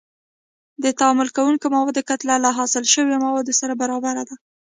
د تعامل کوونکو موادو کتله له حاصل شویو موادو سره برابره ده.